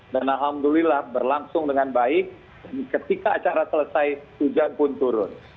dan alhamdulillah berlangsung dengan baik ketika acara selesai hujan pun turun